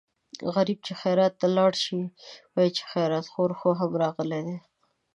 غریب چې خیرات ته لاړ شي وايي خیراتخور خو هم راغلی دی.